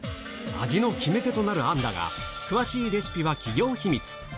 味の決め手となるあんだが、詳しいレシピは企業秘密。